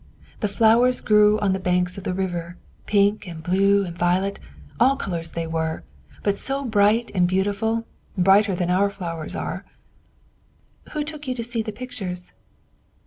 The flowers grew on the banks of the river, pink, and blue, and violet, all colors they were, but so bright and beautiful; brighter than our flowers are." "Who took you to see the pictures?"